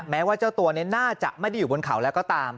แม้ว่าเจ้าตัวนี้น่าจะไม่ได้อยู่บนเขาแล้วก็ตาม